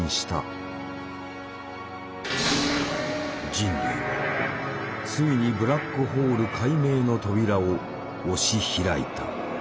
人類はついにブラックホール解明の扉を押し開いた。